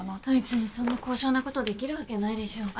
あいつにそんな高尚なことできるわけないでしょ。